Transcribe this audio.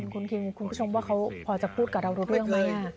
คุณคิงคุณผู้ชมว่าเขาพอจะพูดกับเรารู้เรื่องไหม